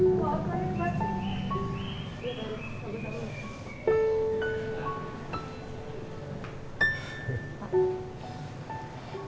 oh oh oh yang bagus